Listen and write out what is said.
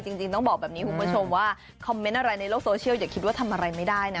จริงต้องบอกแบบนี้คุณผู้ชมว่าคอมเมนต์อะไรในโลกโซเชียลอย่าคิดว่าทำอะไรไม่ได้นะ